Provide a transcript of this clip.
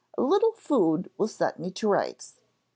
A little food will set me to rights.'